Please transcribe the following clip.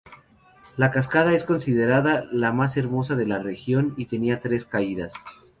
La cascada es considerada la más hermosa de la región y tiene tres caídas.